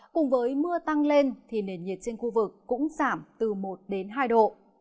cùng với mưa tăng lên thì nền nhiệt trên khu vực cũng giảm từ một đến hai độ